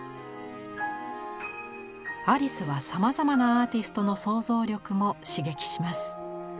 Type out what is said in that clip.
アリスはさまざまなアーティストの想像力も刺激します。